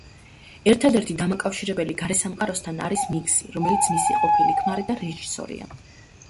ერთადერთი დამაკავშირებელი გარესამყაროსთან არის მაქსი, რომელიც მისი ყოფილი ქმარი და რეჟისორია.